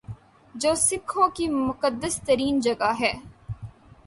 جو سکھوں کی مقدس ترین جگہ ہے